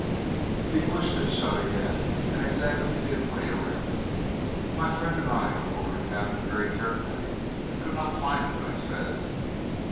He pushed it shut again, and examined the inlay around it. "My friend and I went over the cabinet very carefully and could not find it," I said.